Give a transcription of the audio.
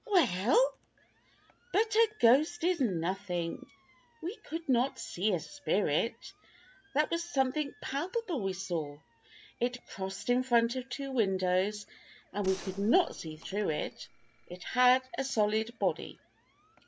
"Well!" "But a ghost is nothing. We could not see a spirit. That was something palpable we saw. It crossed in front of two windows and we could not see through it. It had a solid body."